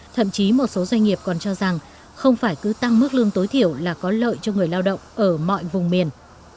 thậm chí một số doanh nghiệp còn cho rằng không phải cứ tăng mức lương tối thiểu là có lợi cho người lao động ở mọi vùng miền